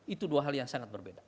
itu dua hal yang sangat berbeda